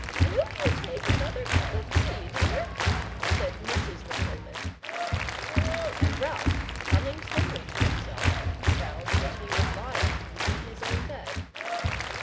"Will you take another cup of tea, dear?" said Mrs. Rinkelmann. And Ralph, coming slowly to himself, found that he was lying in his own bed.